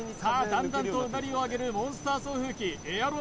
だんだんとうなりをあげるモンスター送風機エアロ★